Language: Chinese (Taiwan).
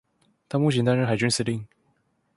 她目前擔任海軍司令